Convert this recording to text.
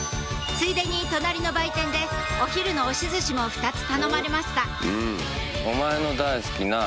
ついでに隣の売店でお昼の押し寿司も２つ頼まれました